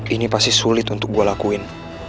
ini pasti sulit untuk gue lakuin